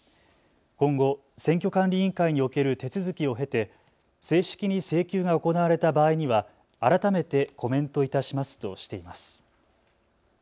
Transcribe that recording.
今後、選挙管理委員会における手続きを経て正式に請求が行われた場合には改めてコメントいたしますとしています。